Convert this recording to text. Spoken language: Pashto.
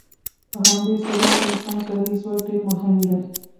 په همدې سبب د انسان کاري ځواک ډیر مهم دی.